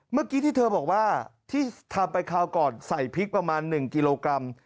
เมื่อกี้ที่เธอบอกว่าที่ทำไปคราวก่อนใส่พริกประมาณ๑กิโลกรัม